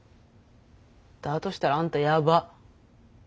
だとしたらあんたヤバッ。